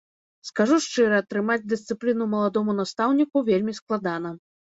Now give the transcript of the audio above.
Скажу шчыра, трымаць дысцыпліну маладому настаўніку вельмі складана.